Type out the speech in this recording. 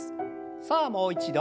さあもう一度。